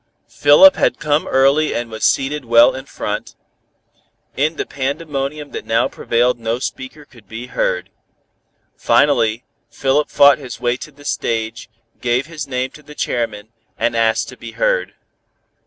Philip had come early and was seated well in front. In the pandemonium that now prevailed no speaker could be heard. Finally Philip fought his way to the stage, gave his name to the chairman, and asked to be heard.